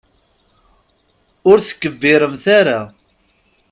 Ur tkebbiremt ara.